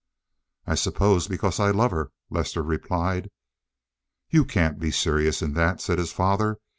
"I suppose because I love her," Lester replied. "You can't be serious in that," said his father.